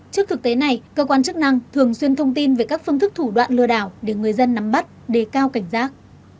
trước thực tế này cơ quan chức năng thường xuyên thông tin về các phương thức thủ đoạn lừa đảo để người dân nắm bắt đề cao cảnh giác